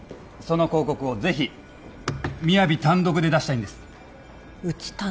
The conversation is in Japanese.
その広告をぜひＭＩＹＡＶＩ単独で出したいんですうち